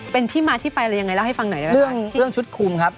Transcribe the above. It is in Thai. เป็นที่มาที่ไปอะไรยังไงเล่าให้ฟังหน่อยได้ไหมครับ